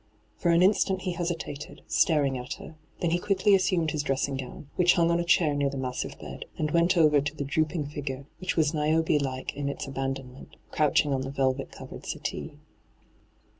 For an instant he hesitated, staring at her. Then he quickly assumed his dress ing gown, which hung on a chair near the massi've bed, and went over to the droop ing figure, which was Niobe like in its abandonment, crouching on the velvet coTered settee.